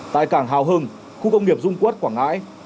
tại cảng hào hưng khu công nghiệp dung quất quảng ngãi